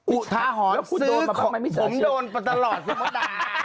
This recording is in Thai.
อุทาหอนซื้อของผมโดนตลอดสมดา